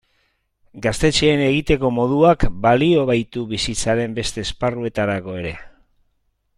Gaztetxeen egiteko moduak balio baitu bizitzaren beste esparruetarako ere.